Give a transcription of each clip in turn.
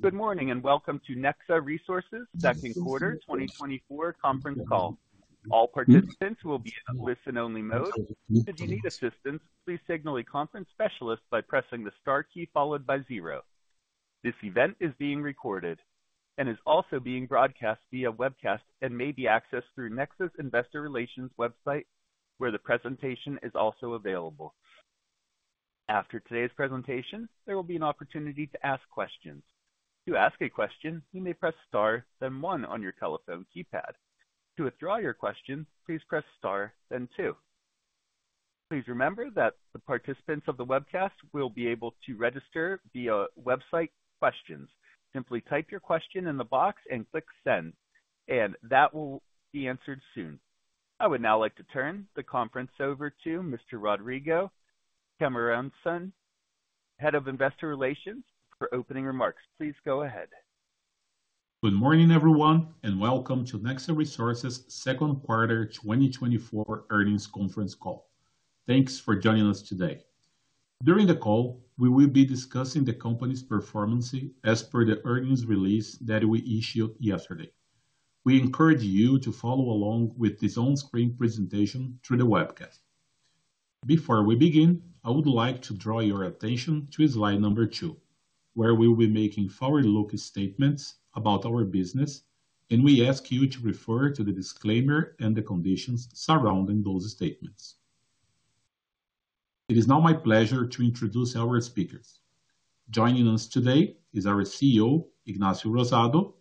Good morning, and welcome to Nexa Resources' second quarter 2024 conference call. All participants will be in a listen-only mode. If you need assistance, please signal a conference specialist by pressing the star key followed by zero. This event is being recorded and is also being broadcast via webcast and may be accessed through Nexa's Investor Relations website, where the presentation is also available. After today's presentation, there will be an opportunity to ask questions. To ask a question, you may press star, then one on your telephone keypad. To withdraw your question, please press star, then two. Please remember that the participants of the webcast will be able to register via website questions. Simply type your question in the box and click Send, and that will be answered soon. I would now like to turn the conference over to Mr. Rodrigo Cammarosano, Head of Investor Relations, for opening remarks. Please go ahead. Good morning, everyone, and welcome to Nexa Resources' second quarter 2024 earnings conference call. Thanks for joining us today. During the call, we will be discussing the company's performance as per the earnings release that we issued yesterday. We encourage you to follow along with this on-screen presentation through the webcast. Before we begin, I would like to draw your attention to slide number two, where we will be making forward-looking statements about our business, and we ask you to refer to the disclaimer and the conditions surrounding those statements. It is now my pleasure to introduce our speakers. Joining us today is our CEO, Ignacio Rosado,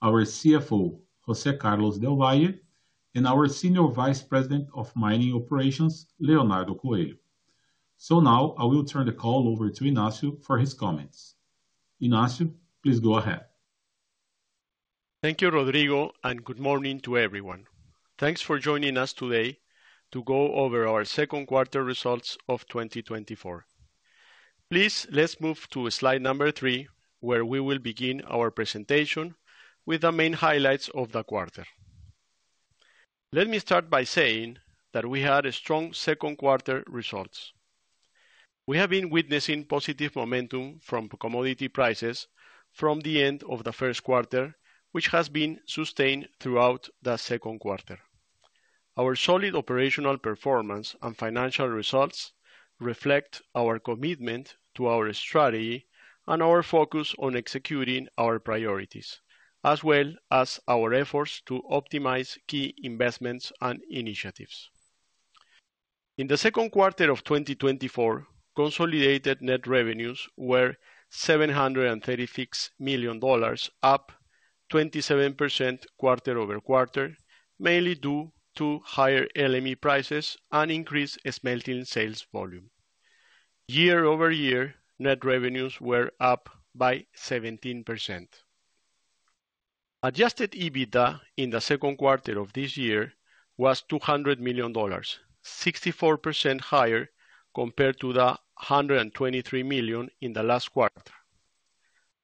our CFO, José Carlos del Valle, and our Senior Vice President of Mining Operations, Leonardo Coelho. So now I will turn the call over to Ignacio for his comments. Ignacio, please go ahead. Thank you, Rodrigo, and good morning to everyone. Thanks for joining us today to go over our second quarter results of 2024. Please, let's move to slide number three, where we will begin our presentation with the main highlights of the quarter. Let me start by saying that we had a strong second quarter results. We have been witnessing positive momentum from commodity prices from the end of the first quarter, which has been sustained throughout the second quarter. Our solid operational performance and financial results reflect our commitment to our strategy and our focus on executing our priorities, as well as our efforts to optimize key investments and initiatives. In the second quarter of 2024, consolidated net revenues were $736 million, up 27% quarter-over-quarter, mainly due to higher LME prices and increased smelting sales volume. Year-over-year, net revenues were up by 17%. Adjusted EBITDA in the second quarter of this year was $200 million, 64% higher compared to the $123 million in the last quarter.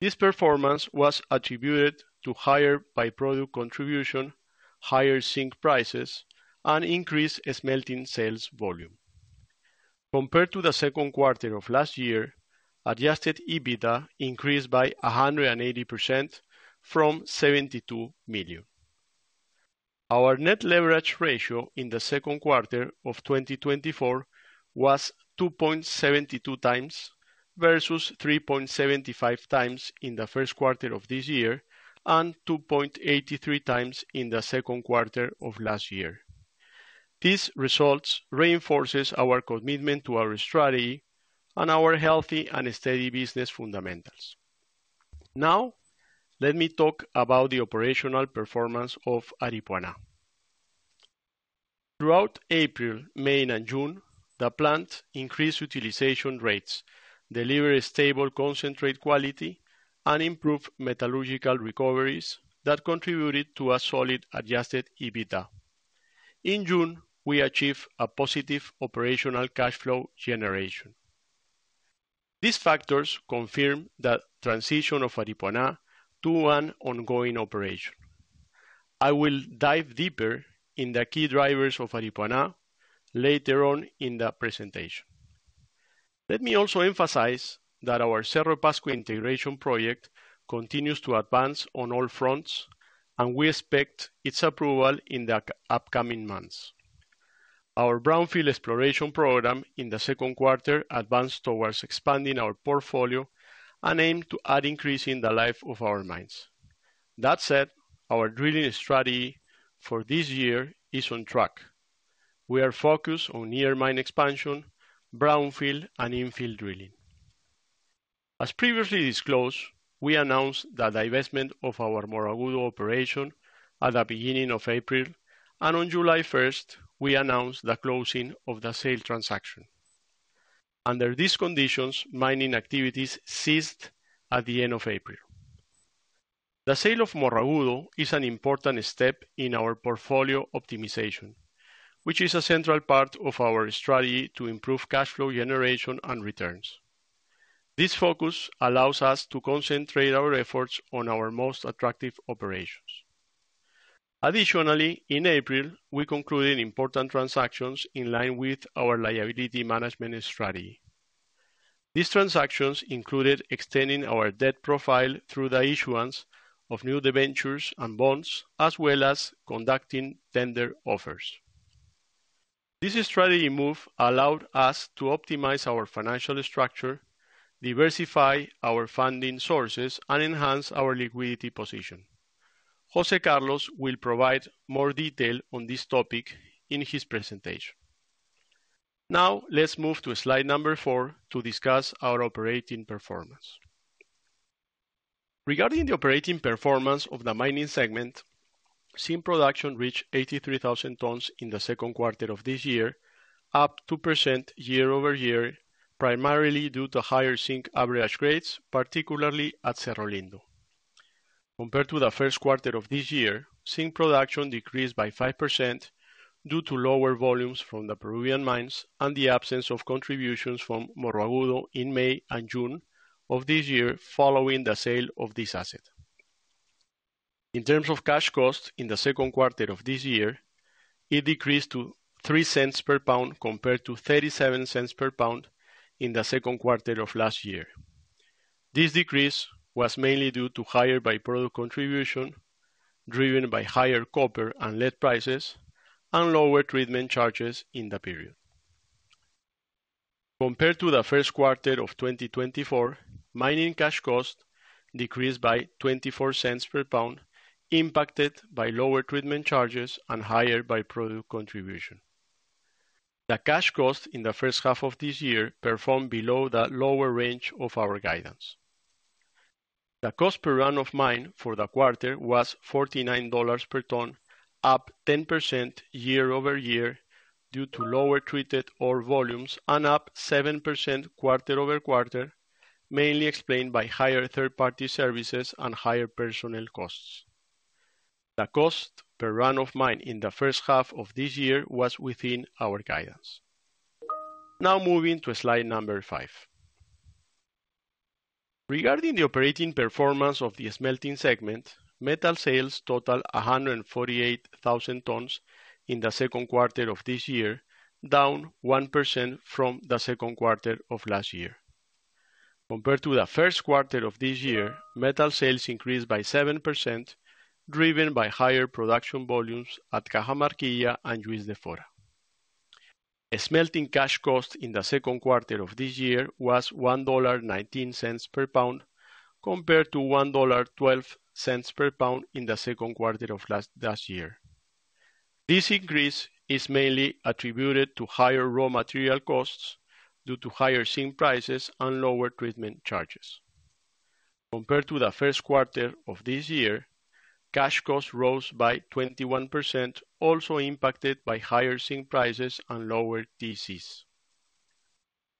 This performance was attributed to higher by-product contribution, higher zinc prices, and increased smelting sales volume. Compared to the second quarter of last year, Adjusted EBITDA increased by 180% from $72 million. Our net leverage ratio in the second quarter of 2024 was 2.72x versus 3.75x in the first quarter of this year and 2.83x in the second quarter of last year. These results reinforces our commitment to our strategy and our healthy and steady business fundamentals. Now, let me talk about the operational performance of Aripuanã. Throughout April, May, and June, the plant increased utilization rates, delivered stable concentrate quality, and improved metallurgical recoveries that contributed to a solid Adjusted EBITDA. In June, we achieved a positive operational cash flow generation. These factors confirm the transition of Aripuanã to an ongoing operation. I will dive deeper in the key drivers of Aripuanã later on in the presentation. Let me also emphasize that our Cerro Pasco Integration Project continues to advance on all fronts, and we expect its approval in the upcoming months. Our brownfield exploration program in the second quarter advanced towards expanding our portfolio and aim to add increase in the life of our mines. That said, our drilling strategy for this year is on track. We are focused on near mine expansion, brownfield, and infill drilling. As previously disclosed, we announced the divestment of our Morro Agudo operation at the beginning of April, and on July first, we announced the closing of the sale transaction. Under these conditions, mining activities ceased at the end of April. The sale of Morro Agudo is an important step in our portfolio optimization, which is a central part of our strategy to improve cash flow generation and returns. This focus allows us to concentrate our efforts on our most attractive operations.... Additionally, in April, we concluded important transactions in line with our liability management strategy. These transactions included extending our debt profile through the issuance of new debentures and bonds, as well as conducting tender offers. This strategy move allowed us to optimize our financial structure, diversify our funding sources, and enhance our liquidity position. José Carlos will provide more detail on this topic in his presentation. Now, let's move to slide number four to discuss our operating performance. Regarding the operating performance of the mining segment, zinc production reached 83,000 tons in the second quarter of this year, up 2% year-over-year, primarily due to higher zinc average grades, particularly at Cerro Lindo. Compared to the first quarter of this year, zinc production decreased by 5% due to lower volumes from the Peruvian mines and the absence of contributions from Morro Agudo in May and June of this year, following the sale of this asset. In terms of cash costs in the second quarter of this year, it decreased to $0.03 per pound, compared to $0.37 per pound in the second quarter of last year. This decrease was mainly due to higher by-product contribution, driven by higher copper and lead prices, and lower treatment charges in the period. Compared to the first quarter of 2024, mining cash cost decreased by $0.24 per pound, impacted by lower treatment charges and higher by-product contribution. The cash cost in the first half of this year performed below the lower range of our guidance. The cost per run of mine for the quarter was $49 per ton, up 10% year-over-year, due to lower treated ore volumes and up 7% quarter-over-quarter, mainly explained by higher third-party services and higher personnel costs. The cost per run of mine in the first half of this year was within our guidance. Now moving to slide five. Regarding the operating performance of the smelting segment, metal sales totaled 148,000 tons in the second quarter of this year, down 1% from the second quarter of last year. Compared to the first quarter of this year, metal sales increased by 7%, driven by higher production volumes at Cajamarquilla and Juiz de Fora. Smelting cash cost in the second quarter of this year was $1.19 per pound, compared to $1.12 per pound in the second quarter of last year. This increase is mainly attributed to higher raw material costs due to higher zinc prices and lower treatment charges. Compared to the first quarter of this year, cash costs rose by 21%, also impacted by higher zinc prices and lower TCs.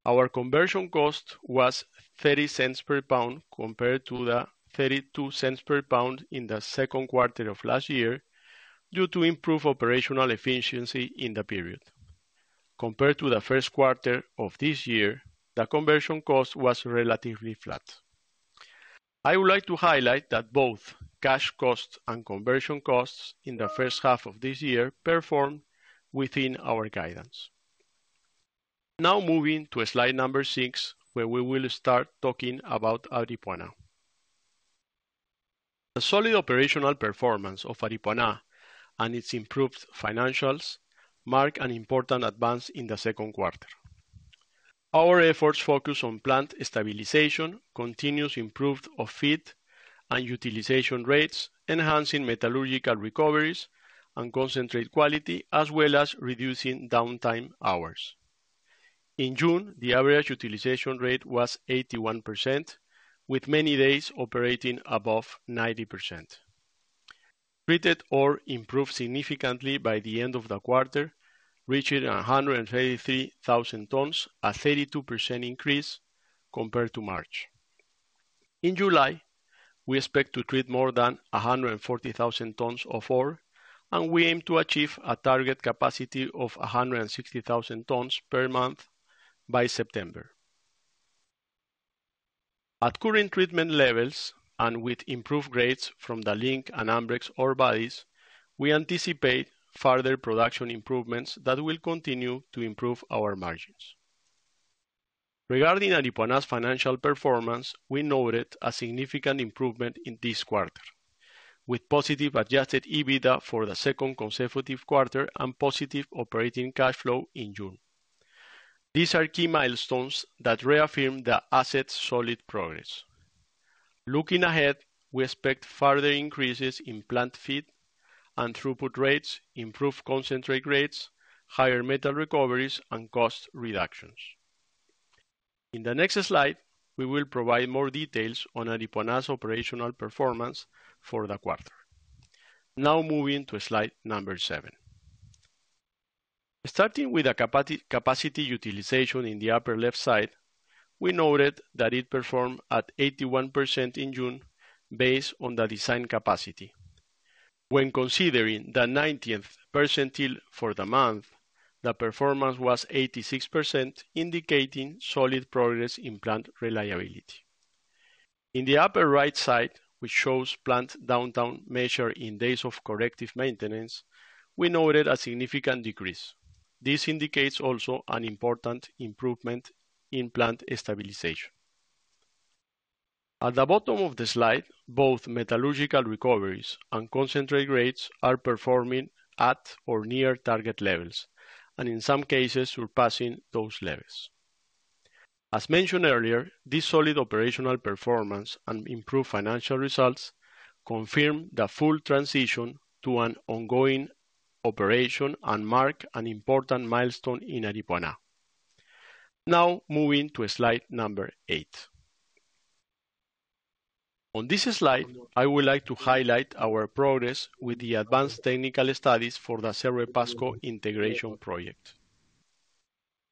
Our conversion cost was $0.30 per pound, compared to the $0.32 per pound in the second quarter of last year, due to improved operational efficiency in the period. Compared to the first quarter of this year, the conversion cost was relatively flat. I would like to highlight that both cash costs and conversion costs in the first half of this year performed within our guidance. Now moving to slide number six, where we will start talking about Aripuanã. The solid operational performance of Aripuanã and its improved financials mark an important advance in the second quarter. Our efforts focus on plant stabilization, continuous improvement of feed and utilization rates, enhancing metallurgical recoveries and concentrate quality, as well as reducing downtime hours. In June, the average utilization rate was 81%, with many days operating above 90%. Treated ore improved significantly by the end of the quarter, reaching 133,000 tons, a 32% increase compared to March. In July, we expect to treat more than 140,000 tons of ore, and we aim to achieve a target capacity of 160,000 tons per month by September. At current treatment levels, and with improved grades from the Link and Ambrex ore bodies, we anticipate further production improvements that will continue to improve our margins. Regarding Aripuanã's financial performance, we noted a significant improvement in this quarter, with positive Adjusted EBITDA for the second consecutive quarter and positive operating cash flow in June. These are key milestones that reaffirm the asset's solid progress. Looking ahead, we expect further increases in plant feed and throughput rates, improved concentrate rates, higher metal recoveries, and cost reductions. In the next slide, we will provide more details on Aripuanã's operational performance for the quarter. Now moving to slide number seven. Starting with the capacity utilization in the upper left side, we noted that it performed at 81% in June, based on the design capacity. When considering the 90th percentile for the month, the performance was 86%, indicating solid progress in plant reliability. In the upper right side, which shows plant downtime measured in days of corrective maintenance, we noted a significant decrease. This indicates also an important improvement in plant stabilization. At the bottom of the slide, both metallurgical recoveries and concentrate grades are performing at or near target levels, and in some cases, surpassing those levels. As mentioned earlier, this solid operational performance and improved financial results confirm the full transition to an ongoing operation and mark an important milestone in Aripuanã. Now, moving to slide number eight. On this slide, I would like to highlight our progress with the advanced technical studies for the Cerro Pasco Integration Project.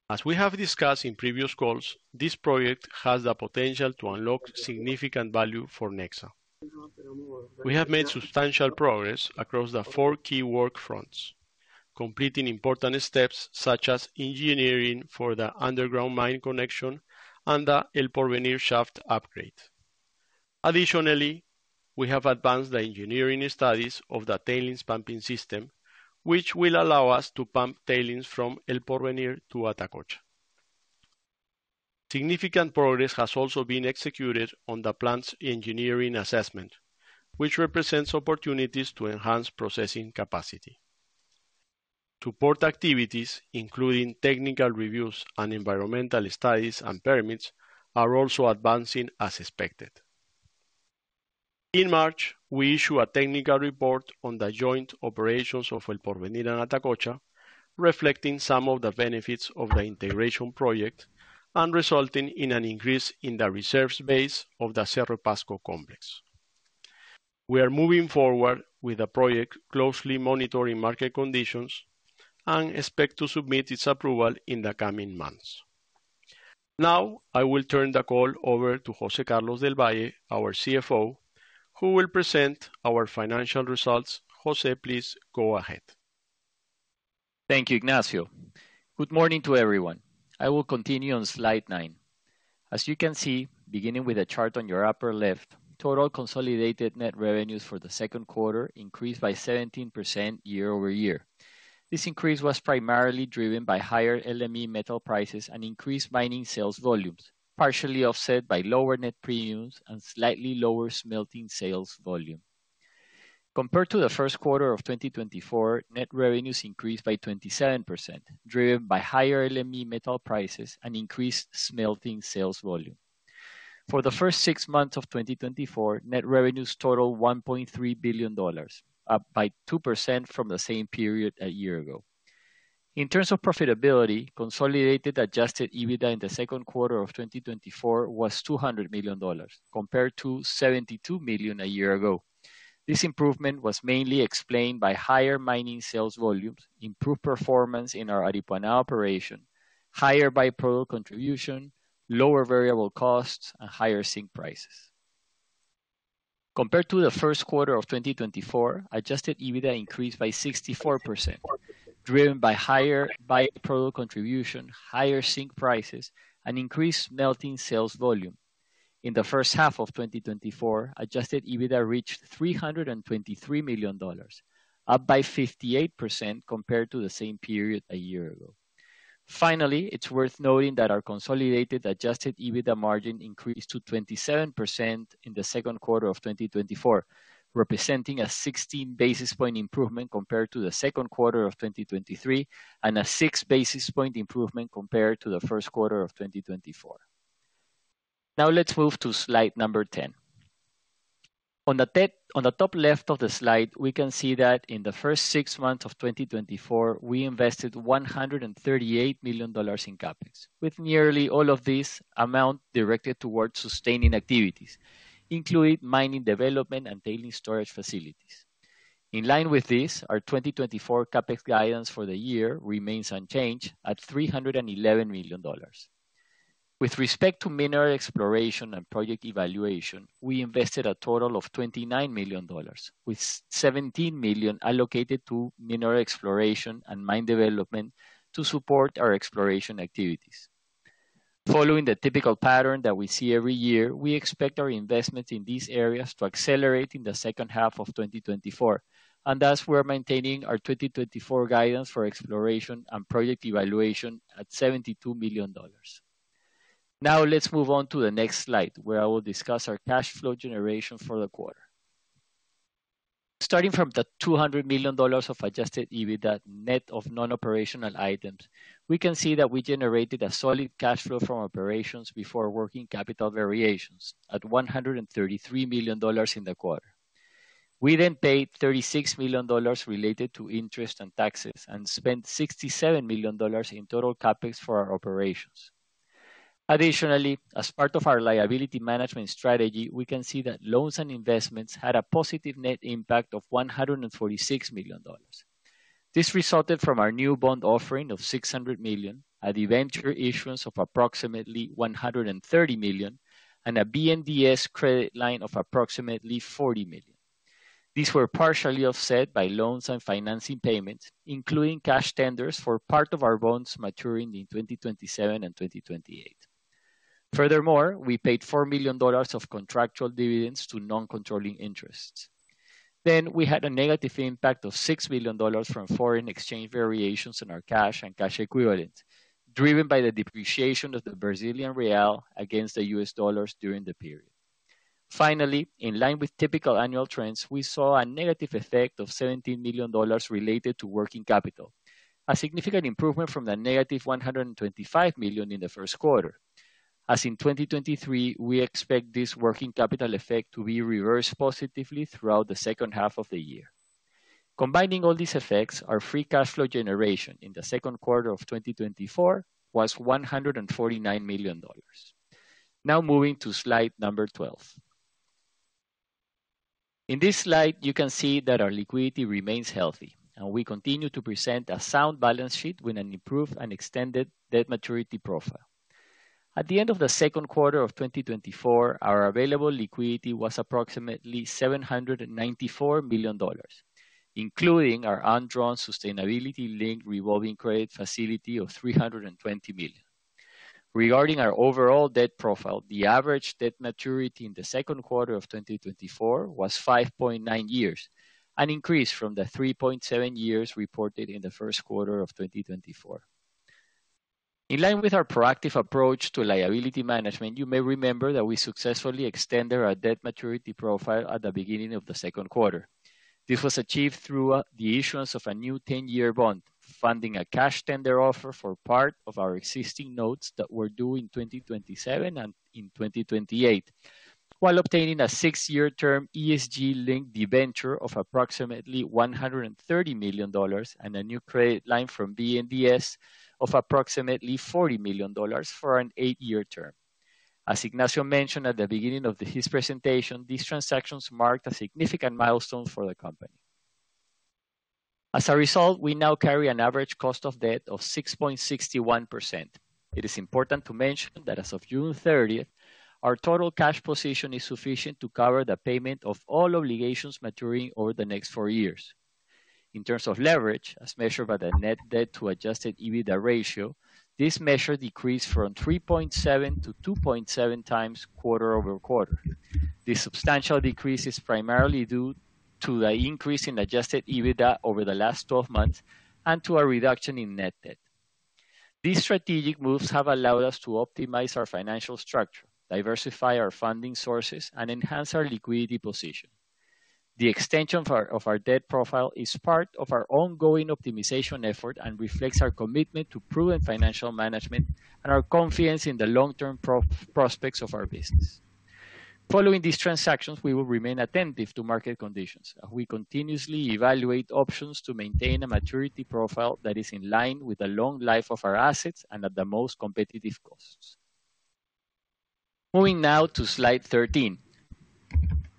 As we have discussed in previous calls, this project has the potential to unlock significant value for Nexa. We have made substantial progress across the four key work fronts, completing important steps, such as engineering for the underground mine connection and the El Porvenir shaft upgrade. Additionally, we have advanced the engineering studies of the tailings pumping system, which will allow us to pump tailings from El Porvenir to Atacocha. Significant progress has also been executed on the plant's engineering assessment, which represents opportunities to enhance processing capacity. Support activities, including technical reviews and environmental studies and permits, are also advancing as expected. In March, we issued a technical report on the joint operations of El Porvenir and Atacocha, reflecting some of the benefits of the integration project and resulting in an increase in the reserves base of the Cerro Pasco complex. We are moving forward with the project, closely monitoring market conditions, and expect to submit its approval in the coming months. Now, I will turn the call over to José Carlos del Valle, our CFO, who will present our financial results. José, please go ahead. Thank you, Ignacio. Good morning to everyone. I will continue on slide nine. As you can see, beginning with the chart on your upper left, total consolidated net revenues for the second quarter increased by 17% year-over-year. This increase was primarily driven by higher LME metal prices and increased mining sales volumes, partially offset by lower net premiums and slightly lower smelting sales volume. Compared to the first quarter of 2024, net revenues increased by 27%, driven by higher LME metal prices and increased smelting sales volume. For the first six months of 2024, net revenues totaled $1.3 billion, up by 2% from the same period a year ago. In terms of profitability, consolidated Adjusted EBITDA in the second quarter of 2024 was $200 million, compared to $72 million a year ago. This improvement was mainly explained by higher mining sales volumes, improved performance in our Aripuanã operation, higher by-product contribution, lower variable costs, and higher zinc prices. Compared to the first quarter of 2024, Adjusted EBITDA increased by 64%, driven by higher by-product contribution, higher zinc prices, and increased smelting sales volume. In the first half of 2024, Adjusted EBITDA reached $323 million, up by 58% compared to the same period a year ago. Finally, it's worth noting that our consolidated Adjusted EBITDA margin increased to 27% in the second quarter of 2024, representing a 16-basis point improvement compared to the second quarter of 2023, and a 6-basis point improvement compared to the first quarter of 2024. Now, let's move to slide number 10. On the top left of the slide, we can see that in the first six months of 2024, we invested $138 million in CapEx, with nearly all of this amount directed towards sustaining activities, including mining development and tailings storage facilities. In line with this, our 2024 CapEx guidance for the year remains unchanged at $311 million. With respect to mineral exploration and project evaluation, we invested a total of $29 million, with $17 million allocated to mineral exploration and mine development to support our exploration activities. Following the typical pattern that we see every year, we expect our investments in these areas to accelerate in the second half of 2024, and thus, we are maintaining our 2024 guidance for exploration and project evaluation at $72 million. Now, let's move on to the next slide, where I will discuss our cash flow generation for the quarter. Starting from the $200 million of Adjusted EBITDA net of non-operational items, we can see that we generated a solid cash flow from operations before working capital variations at $133 million in the quarter. We then paid $36 million related to interest and taxes and spent $67 million in total CapEx for our operations. Additionally, as part of our liability management strategy, we can see that loans and investments had a positive net impact of $146 million. This resulted from our new bond offering of $600 million, a debenture issuance of approximately $130 million, and a BNDES credit line of approximately $40 million. These were partially offset by loans and financing payments, including cash tenders for part of our bonds maturing in 2027 and 2028. Furthermore, we paid $4 million of contractual dividends to non-controlling interests. Then we had a negative impact of $6 million from foreign exchange variations in our cash and cash equivalents, driven by the depreciation of the Brazilian real against the U.S. dollars during the period. Finally, in line with typical annual trends, we saw a negative effect of $17 million related to working capital, a significant improvement from the negative $125 million in the first quarter. As in 2023, we expect this working capital effect to be reversed positively throughout the second half of the year. Combining all these effects, our free cash flow generation in the second quarter of 2024 was $149 million. Now moving to slide number 12. In this slide, you can see that our liquidity remains healthy, and we continue to present a sound balance sheet with an improved and extended debt maturity profile. At the end of the second quarter of 2024, our available liquidity was approximately $794 million, including our undrawn sustainability-linked revolving credit facility of $320 million. Regarding our overall debt profile, the average debt maturity in the second quarter of 2024 was 5.9 years, an increase from the 3.7 years reported in the first quarter of 2024. In line with our proactive approach to liability management, you may remember that we successfully extended our debt maturity profile at the beginning of the second quarter. This was achieved through the issuance of a new 10-year bond, funding a cash tender offer for part of our existing notes that were due in 2027 and in 2028, while obtaining a 6-year term ESG-linked debenture of approximately $130 million and a new credit line from BNDES of approximately $40 million for an 8-year term. As Ignacio mentioned at the beginning of his presentation, these transactions marked a significant milestone for the company. As a result, we now carry an average cost of debt of 6.61%. It is important to mention that as of June 30, our total cash position is sufficient to cover the payment of all obligations maturing over the next four years. In terms of leverage, as measured by the net debt to Adjusted EBITDA ratio, this measure decreased from 3.7x to 2.7x quarter-over-quarter. This substantial decrease is primarily due to the increase in Adjusted EBITDA over the last 12 months and to a reduction in net debt. These strategic moves have allowed us to optimize our financial structure, diversify our funding sources, and enhance our liquidity position. The extension of our debt profile is part of our ongoing optimization effort and reflects our commitment to proven financial management and our confidence in the long-term prospects of our business. Following these transactions, we will remain attentive to market conditions. We continuously evaluate options to maintain a maturity profile that is in line with the long life of our assets and at the most competitive costs. Moving now to slide 13.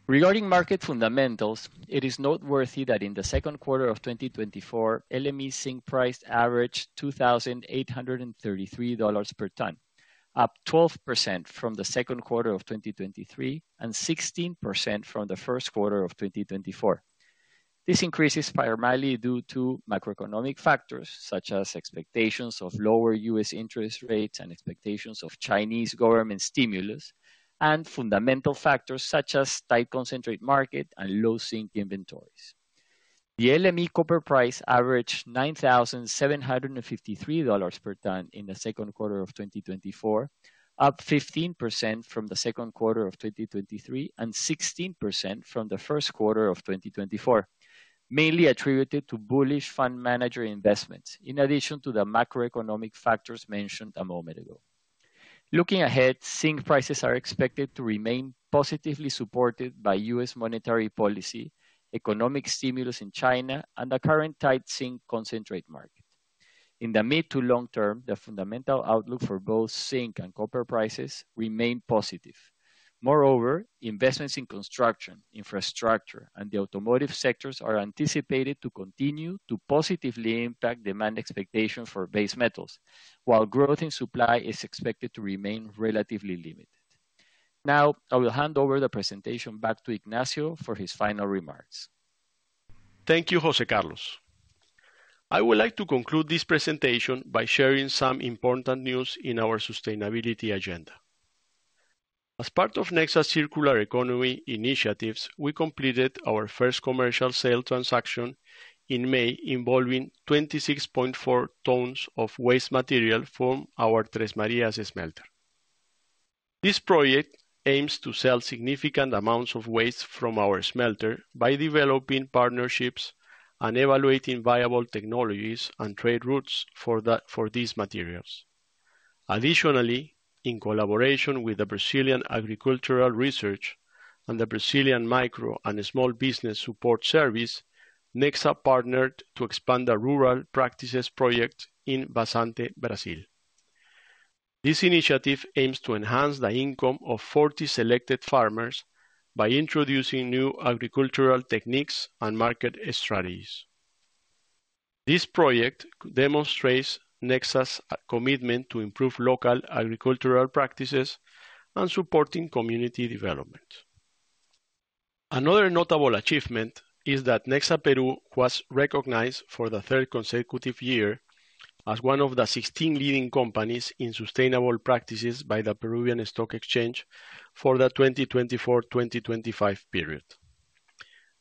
Regarding market fundamentals, it is noteworthy that in the second quarter of 2024, LME zinc price averaged $2,833 per ton, up 12% from the second quarter of 2023, and 16% from the first quarter of 2024. This increase is primarily due to macroeconomic factors, such as expectations of lower U.S. interest rates and expectations of Chinese government stimulus, and fundamental factors such as tight concentrate market and low zinc inventories. The LME copper price averaged $9,753 per ton in the second quarter of 2024, up 15% from the second quarter of 2023, and 16% from the first quarter of 2024, mainly attributed to bullish fund manager investments, in addition to the macroeconomic factors mentioned a moment ago. Looking ahead, zinc prices are expected to remain positively supported by U.S. monetary policy, economic stimulus in China, and the current tight zinc concentrate market. In the mid to long term, the fundamental outlook for both zinc and copper prices remain positive. Moreover, investments in construction, infrastructure, and the automotive sectors are anticipated to continue to positively impact demand expectation for base metals, while growth in supply is expected to remain relatively limited. Now, I will hand over the presentation back to Ignacio for his final remarks. Thank you, José Carlos. I would like to conclude this presentation by sharing some important news in our sustainability agenda. As part of Nexa's circular economy initiatives, we completed our first commercial sale transaction in May, involving 26.4 tons of waste material from our Três Marias smelter. This project aims to sell significant amounts of waste from our smelter by developing partnerships and evaluating viable technologies and trade routes for the, for these materials. Additionally, in collaboration with the Brazilian Agricultural Research and the Brazilian Micro and Small Business Support Service, Nexa partnered to expand the rural practices project in Vazante, Brazil. This initiative aims to enhance the income of 40 selected farmers by introducing new agricultural techniques and market strategies. This project demonstrates Nexa's commitment to improve local agricultural practices and supporting community development. Another notable achievement is that Nexa Peru was recognized for the third consecutive year as one of the 16 leading companies in sustainable practices by the Peruvian Stock Exchange for the 2024/2025 period.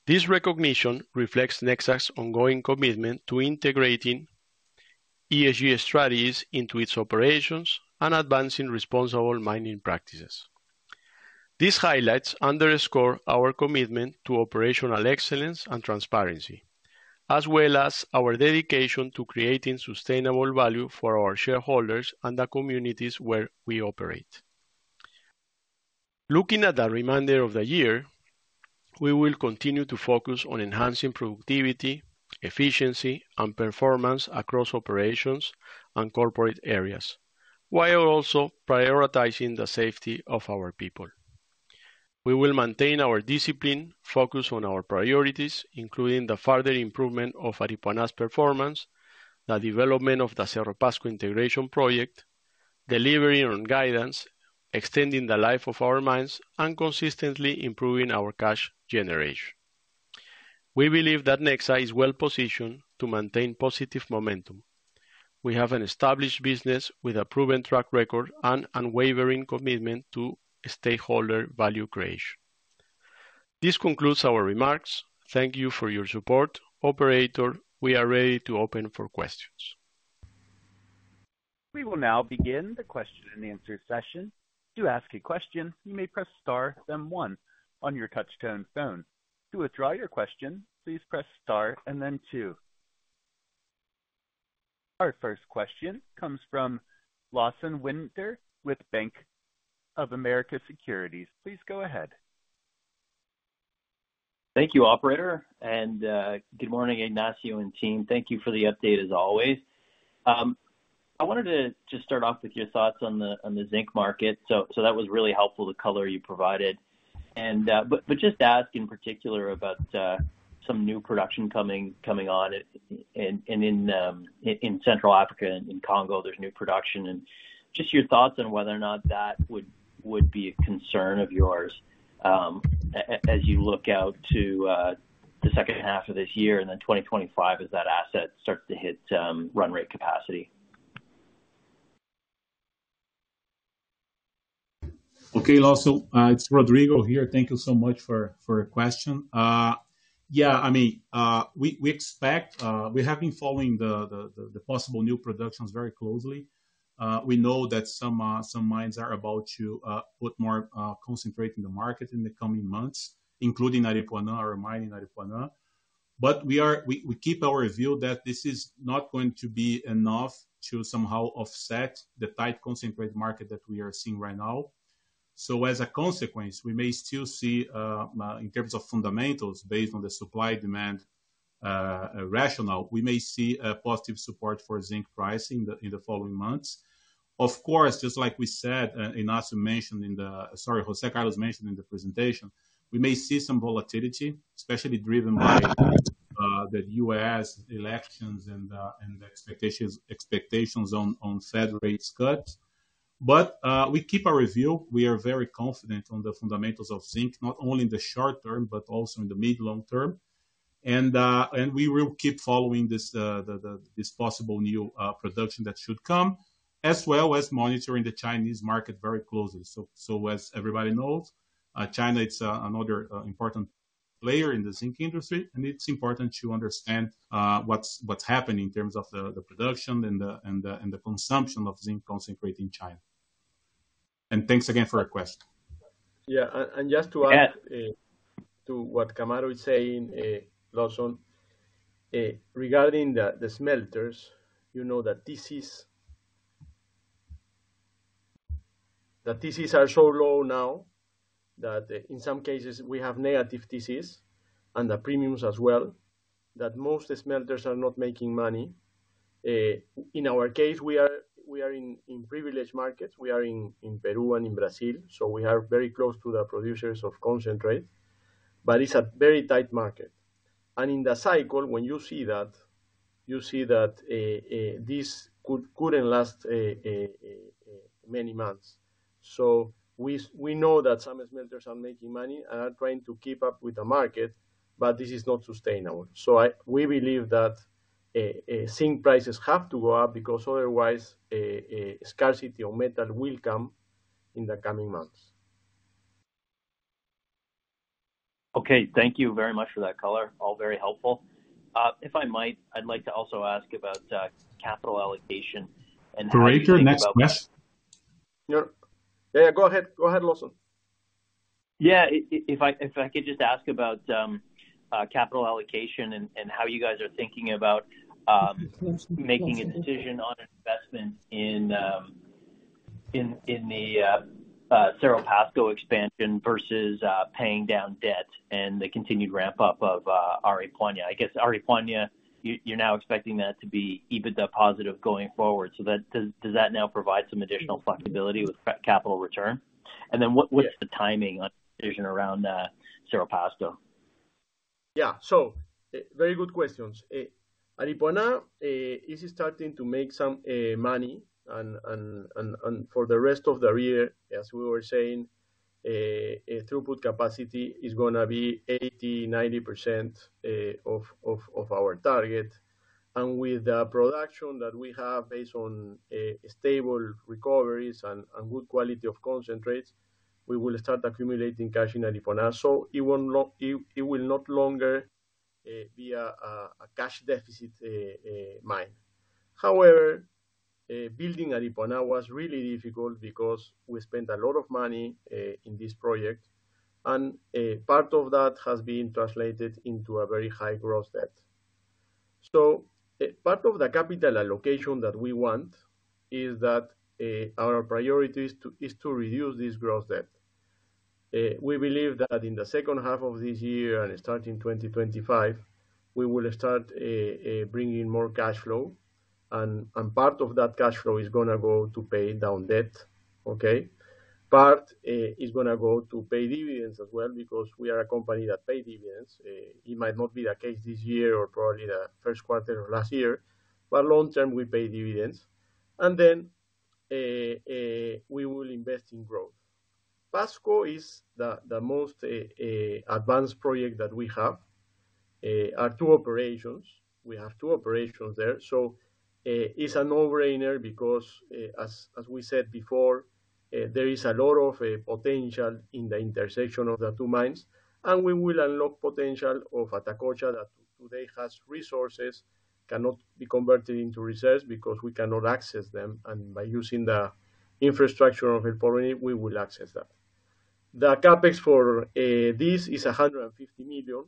This recognition reflects Nexa's ongoing commitment to integrating ESG strategies into its operations and advancing responsible mining practices. These highlights underscore our commitment to operational excellence and transparency, as well as our dedication to creating sustainable value for our shareholders and the communities where we operate. Looking at the remainder of the year, we will continue to focus on enhancing productivity, efficiency, and performance across operations and corporate areas, while also prioritizing the safety of our people. We will maintain our discipline, focus on our priorities, including the further improvement of Aripuanã's performance, the development of the Cerro Pasco Integration Project, delivering on guidance, extending the life of our mines, and consistently improving our cash generation. We believe that Nexa is well positioned to maintain positive momentum. We have an established business with a proven track record and unwavering commitment to stakeholder value creation. This concludes our remarks. Thank you for your support. Operator, we are ready to open for questions. We will now begin the question-and-answer session. To ask a question, you may press star, then one on your touch-tone phone. To withdraw your question, please press star and then two. Our first question comes from Lawson Winder with Bank of America Securities. Please go ahead. Thank you, operator, and good morning, Ignacio and team. Thank you for the update, as always. I wanted to just start off with your thoughts on the zinc market. So that was really helpful, the color you provided. But just to ask in particular about some new production coming online and in Central Africa and in Congo, there's new production. And just your thoughts on whether or not that would be a concern of yours, as you look out to the second half of this year and then 2025 as that asset starts to hit run rate capacity? Okay, Lawson, it's Rodrigo here. Thank you so much for your question. Yeah, I mean, we expect, we have been following the possible new productions very closely. We know that some mines are about to put more concentrate in the market in the coming months, including Aripuanã, our mine in Aripuanã. But we keep our view that this is not going to be enough to somehow offset the tight concentrate market that we are seeing right now. So as a consequence, we may still see, in terms of fundamentals, based on the supply-demand rationale, we may see a positive support for zinc price in the following months. Of course, just like we said, Ignacio mentioned in the... Sorry, José Carlos mentioned in the presentation, we may see some volatility, especially driven by the U.S. elections and the expectations on Fed rate cuts. But we keep our review. We are very confident on the fundamentals of zinc, not only in the short term, but also in the mid long term. And we will keep following this possible new production that should come, as well as monitoring the Chinese market very closely. So as everybody knows, China, it's another important player in the zinc industry, and it's important to understand what's happening in terms of the production and the consumption of zinc concentrate in China. And thanks again for our question. Yeah, and just to add- Yeah. To what Cammarosano is saying, Lawson, regarding the smelters, you know, that TCs are so low now that in some cases we have negative TCs and the premiums as well, that most smelters are not making money. In our case, we are in privileged markets. We are in Peru and in Brazil, so we are very close to the producers of concentrate, but it's a very tight market. And in the cycle, when you see that, you see that this couldn't last many months. So we know that some smelters are making money and are trying to keep up with the market, but this is not sustainable. So we believe that zinc prices have to go up because otherwise scarcity of metal will come in the coming months. Okay. Thank you very much for that color. All very helpful. If I might, I'd like to also ask about capital allocation and how you think about that. Great, your next question. Yeah, yeah, go ahead. Go ahead, Lawson. Yeah. If I could just ask about capital allocation and how you guys are thinking about making a decision on investment in the Cerro Pasco expansion versus paying down debt and the continued ramp up of Aripuanã. I guess, Aripuanã, you're now expecting that to be EBITDA positive going forward. So that does that now provide some additional flexibility with capital return? And then what's the timing on decision around Cerro Pasco? Yeah, so, very good questions. Aripuanã is starting to make some money and for the rest of the year, as we were saying, throughput capacity is gonna be 80%-90% of our target. And with the production that we have, based on stable recoveries and good quality of concentrates, we will start accumulating cash in Aripuanã. So it will no longer be a cash deficit mine. However, building Aripuanã was really difficult because we spent a lot of money in this project, and a part of that has been translated into a very high gross debt. So, part of the capital allocation that we want is that our priority is to reduce this gross debt. We believe that in the second half of this year and starting 2025, we will start bringing more cash flow, and part of that cash flow is gonna go to pay down debt. Okay? Part is gonna go to pay dividends as well, because we are a company that pay dividends. It might not be the case this year or probably the first quarter of last year, but long term, we pay dividends. Then we will invest in growth. Pasco is the most advanced project that we have. Our two operations, we have two operations there, so it's a no-brainer because as we said before there is a lot of potential in the intersection of the two mines, and we will unlock potential of Atacocha that today has resources cannot be converted into reserves because we cannot access them, and by using the infrastructure of El Porvenir, we will access that. The CapEx for this is $150 million.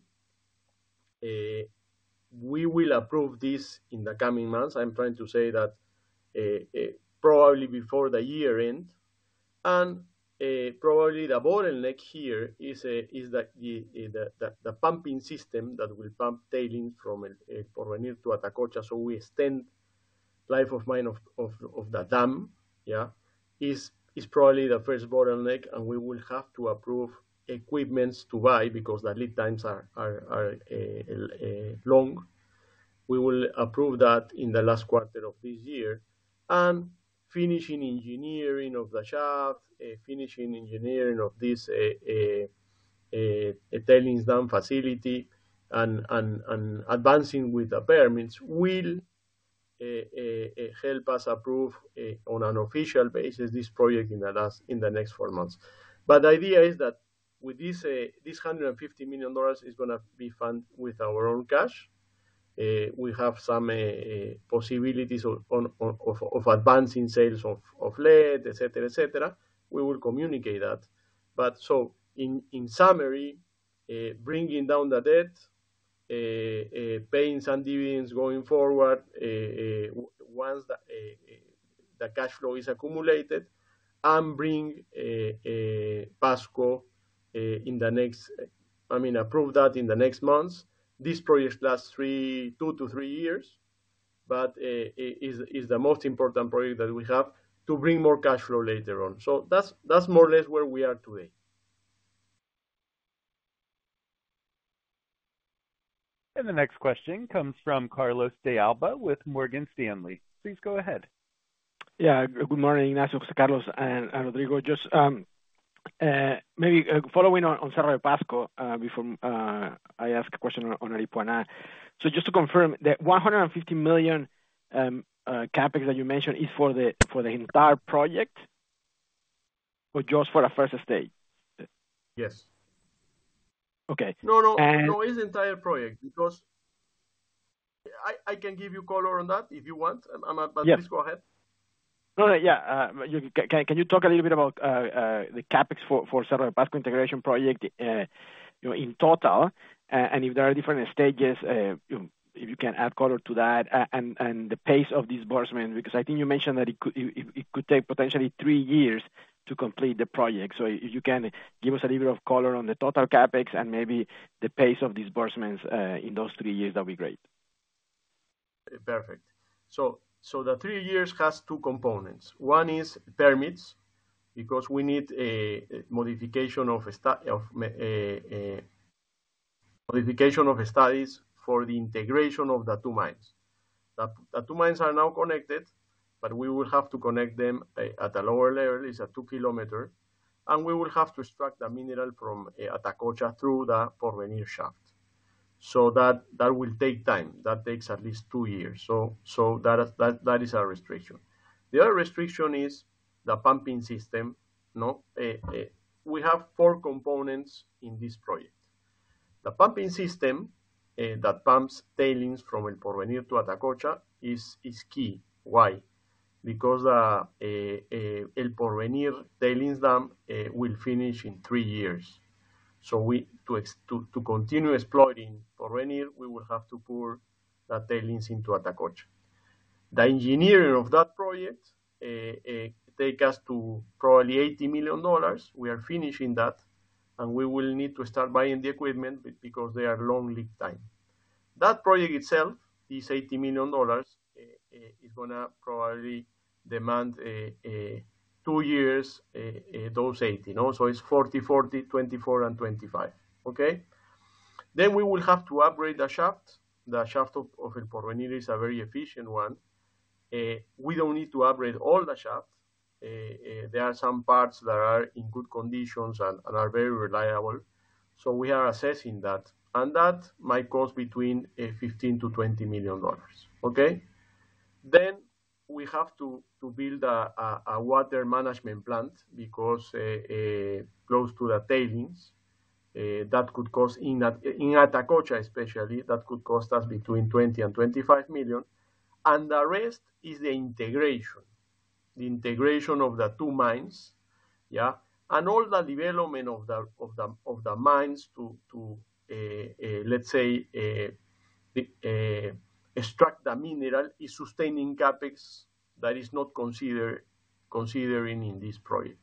We will approve this in the coming months. I'm trying to say that probably before the year end, and probably the bottleneck here is the pumping system that will pump tailings from Porvenir to Atacocha. So we extend life of mine of the dam. Yeah, is probably the first bottleneck, and we will have to approve equipment to buy, because the lead times are long. We will approve that in the last quarter of this year. Finishing engineering of the shaft, finishing engineering of this tailings dam facility and advancing with the permits will help us approve on an official basis this project in the last- in the next four months. But the idea is that with this this $150 million is gonna be funded with our own cash. We have some possibilities of advancing sales of lead, et cetera, et cetera. We will communicate that. So, in summary, bringing down the debt, paying some dividends going forward, once the cash flow is accumulated, and bring Pasco in the next months. I mean, approve that in the next months. This project lasts 2-3 years, but is the most important project that we have to bring more cash flow later on. So that's more or less where we are today. The next question comes from Carlos de Alba with Morgan Stanley. Please go ahead. Yeah. Good morning, Ignacio, Carlos, and Rodrigo. Just maybe following on Cerro Pasco before I ask a question on Aripuanã. So just to confirm, the $150 million CapEx that you mentioned is for the entire project or just for the first stage? Yes. Okay. No, no- And- No, it's the entire project because... I can give you color on that if you want, but please go ahead. No, yeah, can you talk a little bit about the CapEx for Cerro Pasco Integration Project, you know, in total? And if there are different stages, you know, if you can add color to that, and the pace of disbursement, because I think you mentioned that it could take potentially three years to complete the project. So if you can give us a little bit of color on the total CapEx and maybe the pace of disbursements in those three years, that'd be great. Perfect. So the three years has two components. One is permits, because we need a modification of the studies for the integration of the two mines. The two mines are now connected, but we will have to connect them at a lower level, it's a two-kilometer, and we will have to extract the mineral from Atacocha through the El Porvenir shaft. So that will take time. That takes at least two years. So that is our restriction. The other restriction is the pumping system. No, we have four components in this project. The pumping system that pumps tailings from El Porvenir to Atacocha is key. Why? Because El Porvenir tailings dam will finish in three years. So, to continue exploring El Porvenir, we will have to pour the tailings into Atacocha. The engineering of that project takes us to probably $80 million. We are finishing that, and we will need to start buying the equipment because they are long lead time. That project itself is $80 million, is gonna probably demand a two years, those eighty, no? So it's $40 million, $40 million, 2024, and 2025. Okay? Then we will have to upgrade the shaft. The shaft of El Porvenir is a very efficient one. We don't need to upgrade all the shaft. There are some parts that are in good conditions and are very reliable, so we are assessing that. And that might cost between $15 million-$20 million. Okay? Then we have to build a water management plant because close to the tailings, that could cost in Atacocha especially, that could cost us between $20 million and $25 million, and the rest is the integration. The integration of the two mines, yeah? And all the development of the mines to, let's say, extract the mineral is sustaining CapEx that is not considering in this project.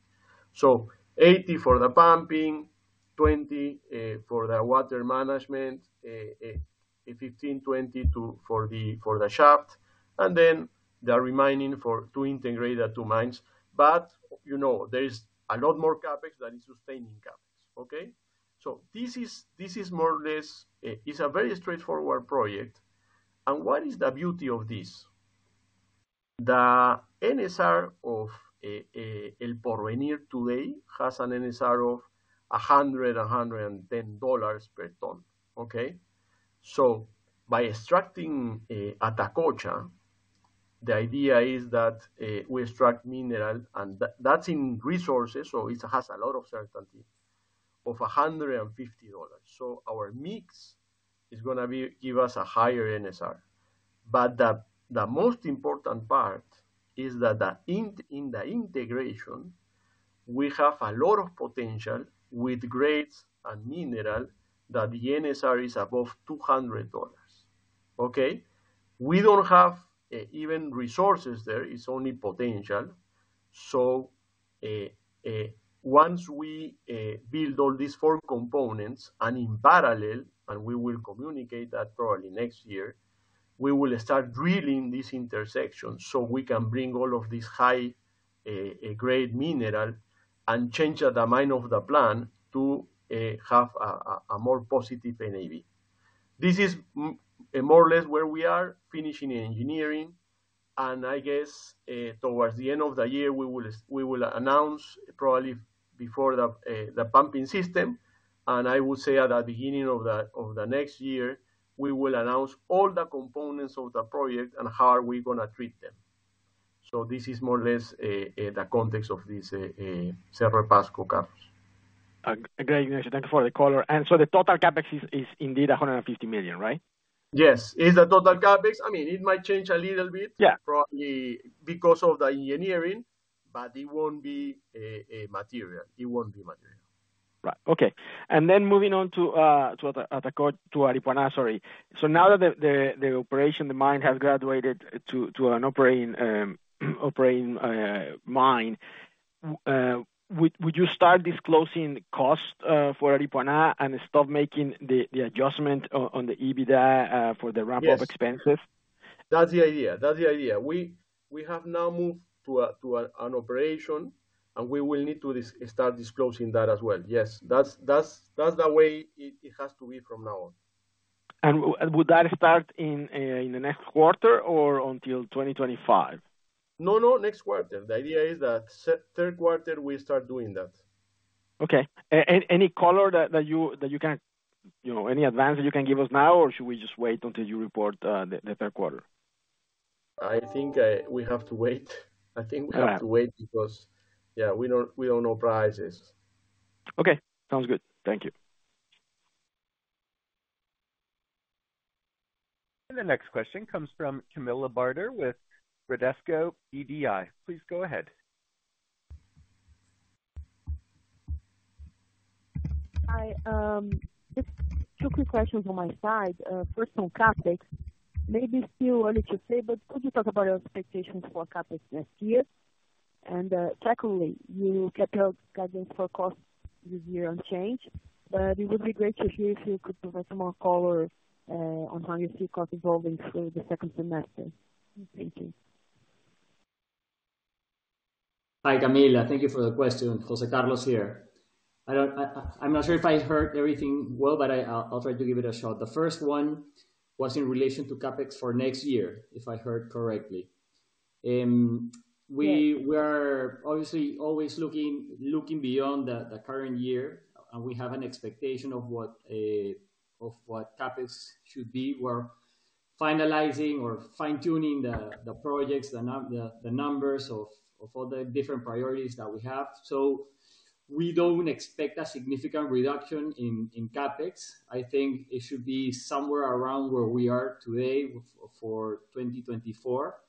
So $80 million for the pumping, $20 million for the water management, $15 million-$20 million for the shaft, and then the remaining to integrate the two mines. But, you know, there is a lot more CapEx that is sustaining CapEx, okay? So this is more or less a very straightforward project. And what is the beauty of this? The NSR of El Porvenir today has an NSR of $110 per ton, okay? So by extracting Atacocha, the idea is that we extract mineral, and that's in resources, so it has a lot of certainty, of $150. So our mix is gonna be- give us a higher NSR. But the most important part is that in the integration, we have a lot of potential with grades and mineral that the NSR is above $200, okay? We don't have even resources there, it's only potential. So, once we build all these four components, and in parallel, and we will communicate that probably next year, we will start drilling this intersection so we can bring all of this high grade mineral and change the mine plan to have a more positive NAV. This is more or less where we are finishing engineering, and I guess, towards the end of the year, we will announce probably before the pumping system. And I would say at the beginning of the next year, we will announce all the components of the project and how are we gonna treat them. So this is more or less the context of this Cerro Pasco CapEx. Great, Ignacio. Thank you for the color. And so the total CapEx is indeed $150 million, right? Yes, it's a total CapEx. I mean, it might change a little bit- Yeah... probably because of the engineering, but it won't be material. It won't be material. Right. Okay, and then moving on to, to the Atacocha, to Aripuanã, sorry. So now that the operation, the mine, has graduated to, to an operating, operating mine, would you start disclosing costs for Aripuanã and stop making the adjustment on the EBITDA for the ramp-up? Yes... expenses? That's the idea. We have now moved to an operation, and we will need to start disclosing that as well. Yes, that's the way it has to be from now on. Would that start in the next quarter or until 2025? No, no, next quarter. The idea is that third quarter, we start doing that. Okay. Any color that you can, you know, any advantage you can give us now, or should we just wait until you report the third quarter? I think, we have to wait. I think we have to- All right... wait because, yeah, we don't, we don't know prices. Okay, sounds good. Thank you. The next question comes from Camilla Barder with Bradesco BBI. Please go ahead. Hi, just two quick questions on my side. First, on CapEx. Maybe still early to say, but could you talk about your expectations for CapEx next year? And, secondly, you kept your guidance for cost this year unchanged, but it would be great to hear if you could provide some more color, on how you see cost evolving through the second semester. Thank you. Hi, Camilla. Thank you for the question. José Carlos here. I don't know if I heard everything well, but I'll try to give it a shot. The first one was in relation to CapEx for next year, if I heard correctly. Yes. We are obviously always looking beyond the current year, and we have an expectation of what CapEx should be. We're finalizing or fine-tuning the projects, the numbers of all the different priorities that we have. So we don't expect a significant reduction in CapEx. I think it should be somewhere around where we are today for 2024.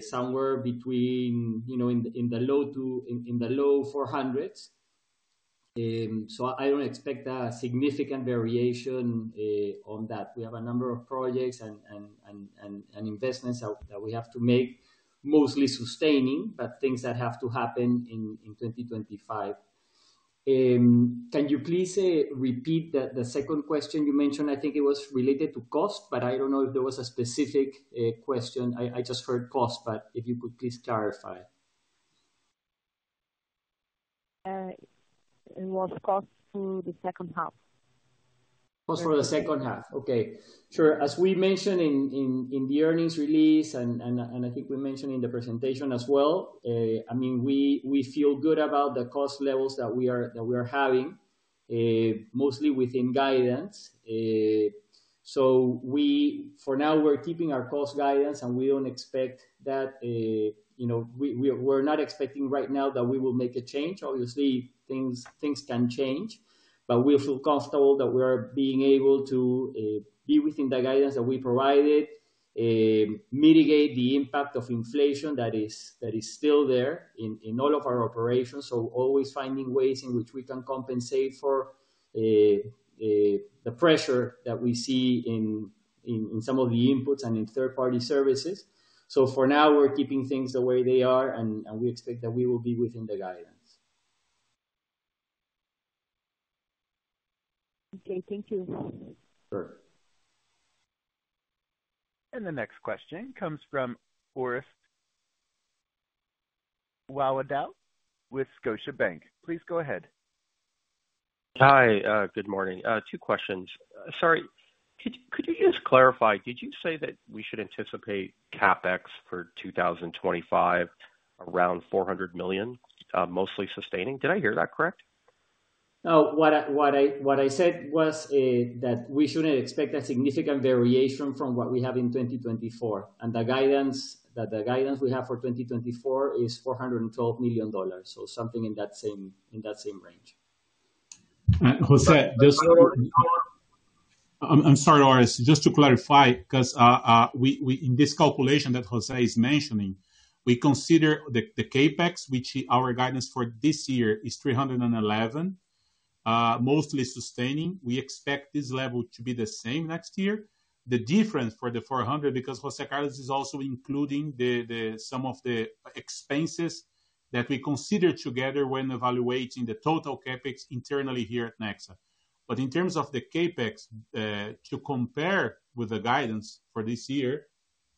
Somewhere between, you know, in the low to low 400s. So I don't expect a significant variation on that. We have a number of projects and investments that we have to make, mostly sustaining, but things that have to happen in 2025. Can you please repeat the second question you mentioned? I think it was related to cost, but I don't know if there was a specific question. I just heard cost, but if you could please clarify. It was cost through the second half. Cost for the second half. Okay. Sure. As we mentioned in the earnings release, and I think we mentioned in the presentation as well, I mean, we feel good about the cost levels that we are having, mostly within guidance. So we, for now, we're keeping our cost guidance, and we don't expect that, you know, we're not expecting right now that we will make a change. Obviously, things can change, but we feel comfortable that we are being able to be within the guidance that we provided, mitigate the impact of inflation that is still there in all of our operations. So always finding ways in which we can compensate for the pressure that we see in some of the inputs and in third-party services. So for now, we're keeping things the way they are, and we expect that we will be within the guidance. Okay, thank you. Sure. The next question comes from [Forrest Waddell] with Scotiabank. Please go ahead. Hi, good morning. Two questions. Sorry, could you just clarify, did you say that we should anticipate CapEx for 2025, around $400 million, mostly sustaining? Did I hear that correct? No, what I said was that we shouldn't expect a significant variation from what we have in 2024, and the guidance, that the guidance we have for 2024 is $412 million. So something in that same range. José, just- Go on. I'm sorry, Forrest. Just to clarify, 'cause we, in this calculation that José is mentioning, we consider the CapEx, which our guidance for this year is $311 million, mostly sustaining. We expect this level to be the same next year. The difference for the $400 million, because José Carlos is also including the some of the expenses that we consider together when evaluating the total CapEx internally here at Nexa. But in terms of the CapEx, to compare with the guidance for this year,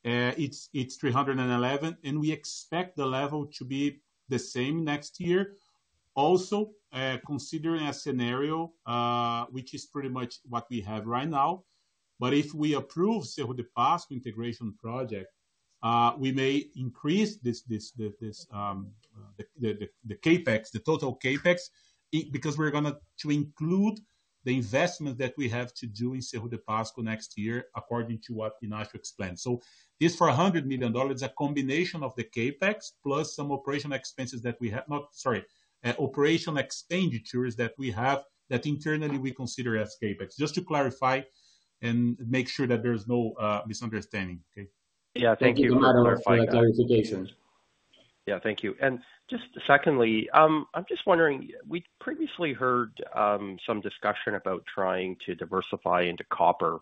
it's $311 million, and we expect the level to be the same next year. Also, considering a scenario, which is pretty much what we have right now, but if we approve Cerro Pasco Integration Project, we may increase this, the CapEx, the total CapEx, because we're gonna to include the investment that we have to do in Cerro Pasco next year, according to what Ignacio explained. So this $400 million, a combination of the CapEx plus some operational expenses that we have not... Sorry, operational expenditures that we have, that internally we consider as CapEx. Just to clarify and make sure that there is no misunderstanding, okay? Yeah, thank you. Thank you for the clarification. Yeah, thank you. And just secondly, I'm just wondering, we previously heard, some discussion about trying to diversify into copper,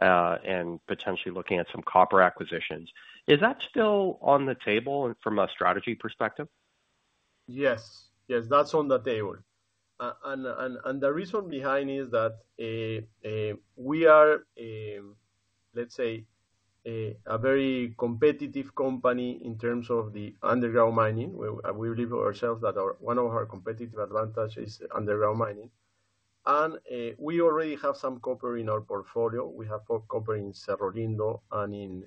and potentially looking at some copper acquisitions. Is that still on the table from a strategy perspective? Yes. Yes, that's on the table. And the reason behind is that we are, let's say, a very competitive company in terms of the underground mining. We believe ourselves that our one of our competitive advantage is underground mining, and we already have some copper in our portfolio. We have copper in Cerro Lindo and in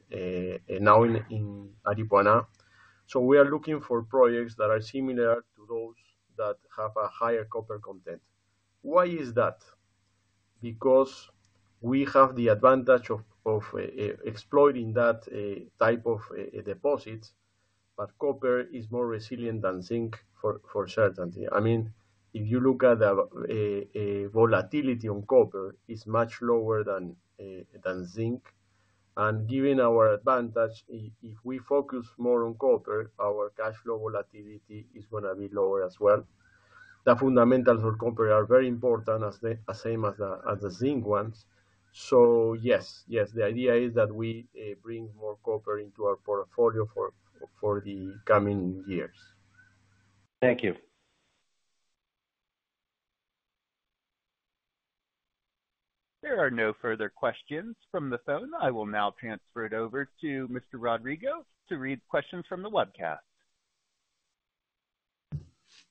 now in Aripuanã. So we are looking for projects that are similar to those that have a higher copper content. Why is that? Because we have the advantage of exploiting that type of deposits, but copper is more resilient than zinc for certainty. I mean, if you look at the volatility on copper, it's much lower than zinc. And given our advantage, if we focus more on copper, our cash flow volatility is gonna be lower as well. The fundamentals for copper are very important as the same as the zinc ones. So yes, the idea is that we bring more copper into our portfolio for the coming years. Thank you. There are no further questions from the phone. I will now transfer it over to Mr. Rodrigo to read questions from the webcast.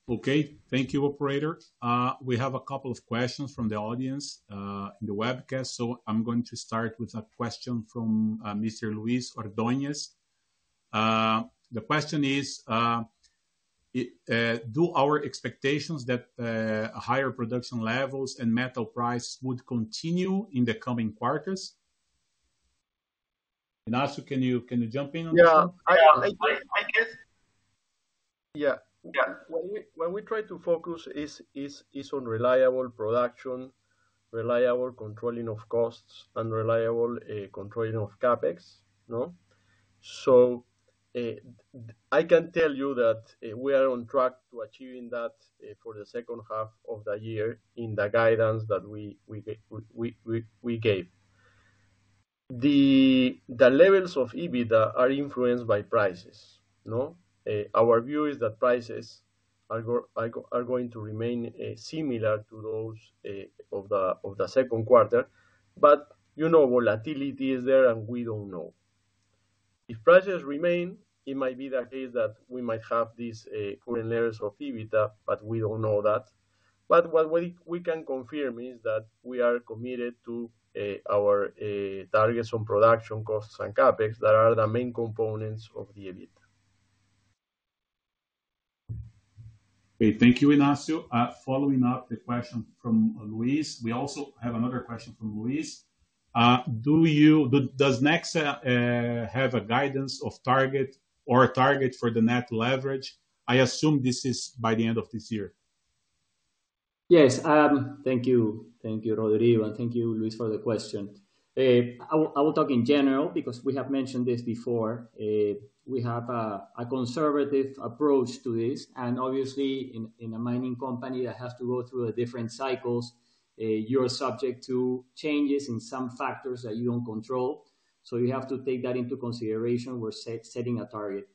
Okay. Thank you, operator. We have a couple of questions from the audience in the webcast, so I'm going to start with a question from Mr. Luis Ordonez. The question is, do our expectations that higher production levels and metal price would continue in the coming quarters? Ignacio, can you jump in on this one? Yeah, I guess. Yeah. Yeah. When we try to focus is on reliable production, reliable controlling of costs and reliable controlling of CapEx, no? So, I can tell you that we are on track to achieving that for the second half of the year in the guidance that we gave. The levels of EBITDA are influenced by prices, no? Our view is that prices are going to remain similar to those of the second quarter. But, you know, volatility is there, and we don't know. If prices remain, it might be the case that we might have these current levels of EBITDA, but we don't know that. But what we can confirm is that we are committed to our targets on production costs and CapEx, that are the main components of the EBITDA. Okay, thank you, Ignacio. Following up the question from Luis, we also have another question from Luis. Does Nexa have a guidance of target or a target for the net leverage? I assume this is by the end of this year. Yes, thank you. Thank you, Rodrigo, and thank you, Luis, for the question. I will talk in general because we have mentioned this before. We have a conservative approach to this, and obviously, in a mining company that has to go through the different cycles, you're subject to changes in some factors that you don't control. So you have to take that into consideration when setting a target.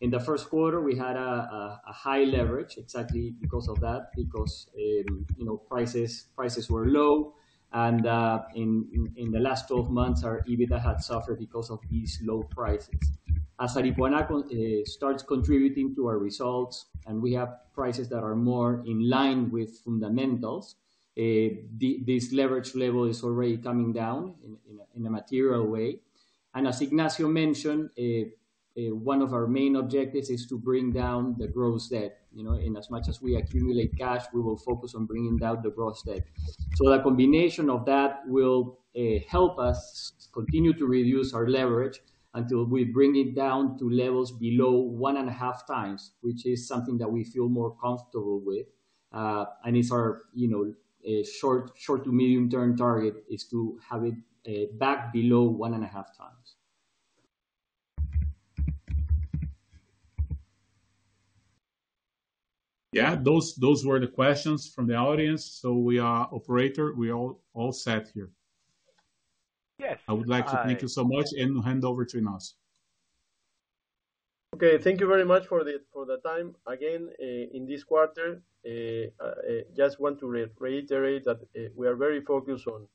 In the first quarter, we had a high leverage, exactly because of that, because, you know, prices were low, and, in the last twelve months, our EBITDA had suffered because of these low prices. As Aripuanã starts contributing to our results, and we have prices that are more in line with fundamentals, this leverage level is already coming down in a material way. And as Ignacio mentioned, one of our main objectives is to bring down the gross debt. You know, in as much as we accumulate cash, we will focus on bringing down the gross debt. So the combination of that will help us continue to reduce our leverage until we bring it down to levels below 1.5x, which is something that we feel more comfortable with. And it's our, you know, short to medium-term target is to have it back below 1.5x. Yeah, those were the questions from the audience. So we are... Operator, we are all set here. I would like to thank you so much and hand over to Ignacio. Okay, thank you very much for the time again in this quarter. Just want to reiterate that we are very focused on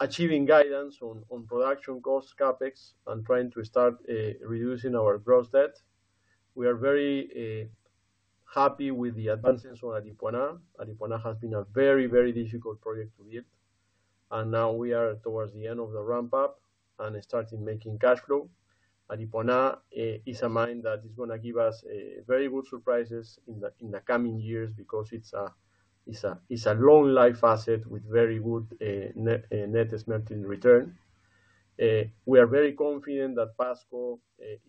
achieving guidance on production cost CapEx and trying to start reducing our gross debt. We are very happy with the advances on Aripuanã. Aripuanã has been a very, very difficult project to build, and now we are towards the end of the ramp-up and started making cash flow. Aripuanã is a mine that is gonna give us very good surprises in the coming years because it's a long-life asset with very good net investment return. We are very confident that Pasco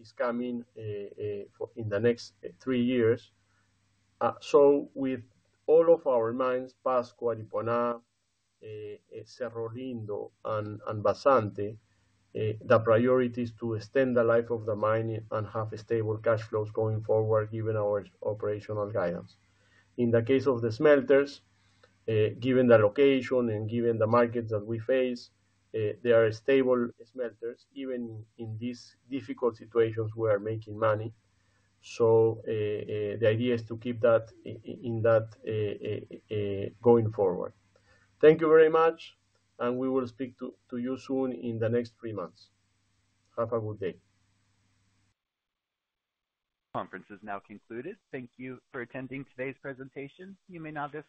is coming forth in the next three years. With all of our mines, Pasco, Aripuanã, Cerro Lindo and Vazante, the priority is to extend the life of the mining and have stable cash flows going forward, given our operational guidance. In the case of the smelters, given the location and given the markets that we face, they are stable smelters. Even in these difficult situations, we are making money. So, the idea is to keep that intact going forward. Thank you very much, and we will speak to you soon in the next three months. Have a good day. Conference is now concluded. Thank you for attending today's presentation. You may now dis-